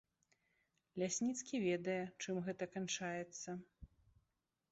Лясніцкі ведае, чым гэта канчаецца.